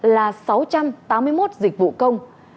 là sáu trăm tám mươi một dịch vụ công